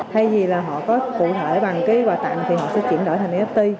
thay vì là họ có cụ thể bằng cái quả tặng thì họ sẽ chuyển đổi thành nft